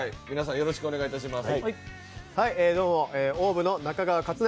よろしくお願いします。